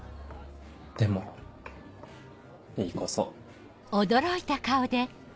でもいい子そう。